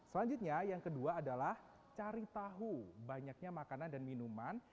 selanjutnya yang kedua adalah cari tahu banyaknya makanan dan minuman